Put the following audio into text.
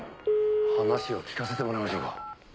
話を聞かせてもらいましょうか。